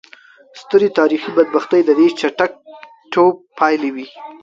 سترې تاریخي بدبختۍ د دې چټک ټوپ پایلې وې.